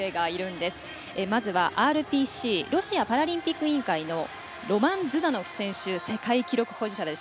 まずはＲＰＣ＝ロシアパラリンピック委員会のロマン・ズダノフ選手世界記録保持者です。